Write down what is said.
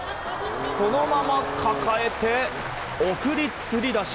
そのまま抱えて送りつり出し。